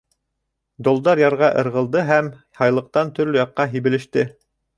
Долдар ярға ырғылды һәм һайлыҡтан төрлө яҡҡа һибелеште.